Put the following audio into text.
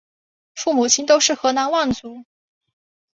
父母亲都是河南望族。